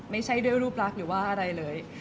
ไม่ใช่ด้วยรูปลักษณ์หรือว่าอะไรเลย